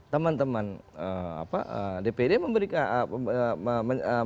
teman teman dpd memberikan surat yang berbeda dan membuatnya tidak berbeda